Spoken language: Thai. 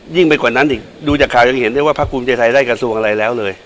ยิ่งไปกว่านั้นอีกดูจากข่าวยังเห็นได้ว่าภาคภูมิใจไทยได้กระทรวงอะไรแล้วเลย